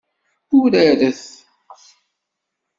Uraret!